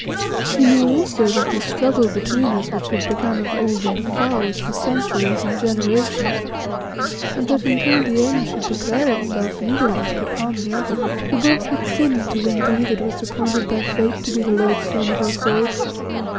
She knew also that the struggle between us which had begun of old and afar was for centuries and generations, and that until the end should declare itself neither of us could harm the other, who both had sinned to win thee, that wast appointed by fate to be the lodestone of our souls.